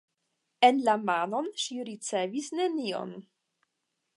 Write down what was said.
En la manon ŝi ricevis nenion.